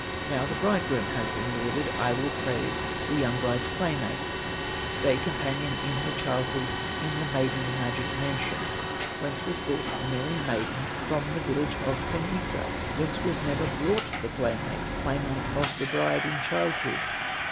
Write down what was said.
"Now the bridegroom has been lauded, I will praise the young bride's playmate, Day companion in her childhood, In the maiden's magic mansion. Whence was brought the merry maiden, From the village of Tanikka? Thence was never brought the playmate, Playmate of the bride in childhood.